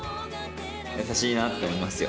優しいなって思いますよ。